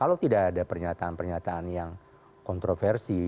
kalau tidak ada pernyataan pernyataan yang kontroversi